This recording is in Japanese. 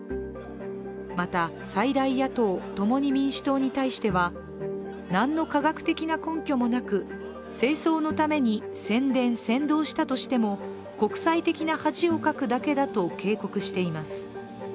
また、最大野党、共に民主党に対してはなんの科学的根拠もなく、政争のために宣伝扇動したとしても国際的な恥をかくだけだと警告しています。